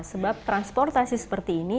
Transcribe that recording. sebab transportasi seperti ini